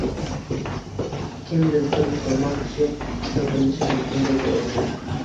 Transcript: Kim bizga musulmon kishi so‘kinishi mumkin dedi o‘zi?